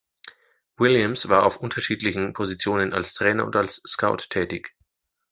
Williams war auf unterschiedlichen Positionen als Trainer und als Scout tätig.